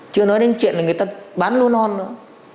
chưa nói đến chuyện là người ta bán luôn non nữa